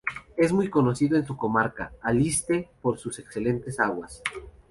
Es muy conocido en su comarca, Aliste, por sus excelentes aguas.